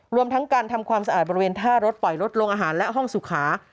รวมทั้งการทำความสะอาดบริเวณท่ารถปล่อยรถลงอาหารและห้องสุขา